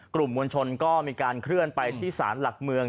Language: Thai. กลุ่มมวลชนก็มีการเคลื่อนไปที่ศาลหลักเมือง